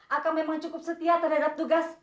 atau memang cukup setia terhadap tugas